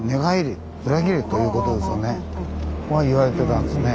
言われてたんですね。